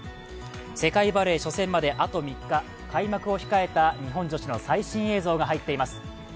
世界バレー初戦まであと３日、開幕を控えた日本女子の最新映像が入っています。